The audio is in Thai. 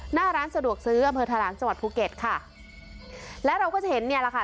หน้าร้านสะดวกซื้ออำเภอทะหลังจังหวัดภูเก็ตค่ะแล้วเราก็จะเห็นเนี่ยแหละค่ะ